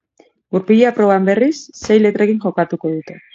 Gurpila proban, berriz, sei letrekin jokatuko dute.